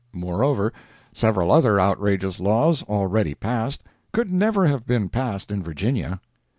Moreover, several other outrageous laws, already passed, could never have been passed in Virginia.